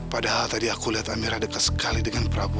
padahal tadi aku lihat amira dekat sekali dengan prabu